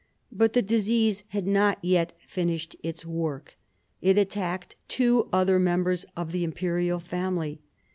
But the disease had not yet finished its work; it attacked two other members of the imperial family.